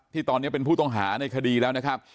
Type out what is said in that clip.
ที่ตอนนี้เป็นผู้ต้องหาในคดีแล้วนะครับ